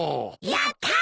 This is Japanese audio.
やったー！